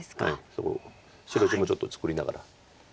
そこ白地もちょっと作りながら。